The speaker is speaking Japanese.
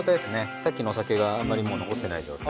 さっきのお酒があんまりもう残ってない状態。